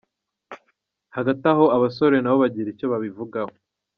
Hagati aho abasore nabo bagira icyo babivugaho.